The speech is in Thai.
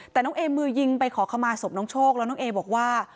แต่น้องเอมือยิงไปขอขมาศพน้องโชคแล้วน้องเอบอกว่า